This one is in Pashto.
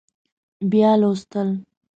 بیا لوستل